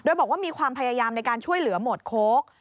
โดยบอกว่ามีความพยายามในการช่วยเหลือหมวดโค้ก